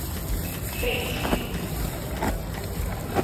废弃的飞机则被移交至联邦资产管理企业进行出售。